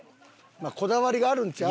こだわりがあるんちゃう？